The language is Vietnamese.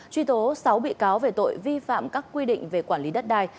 truy tố sáu bị cáo về tội vi phạm các quy định về quản lý đất đai